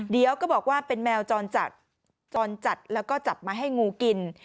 เดี๋ยวก็บอกว่าเป็นแมวจรจัดจรจัดแล้วก็จับมาให้งูกิน